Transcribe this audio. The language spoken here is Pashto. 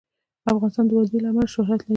افغانستان د وادي له امله شهرت لري.